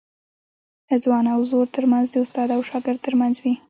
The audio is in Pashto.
ځوان او زوړ ترمنځ د استاد او شاګرد ترمنځ وي.